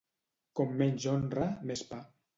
Com menys honra, més pa.